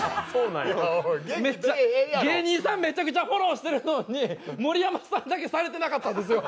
芸人さん、めちゃくちゃフォローしてるのに、盛山さんだけされてなかったんですよ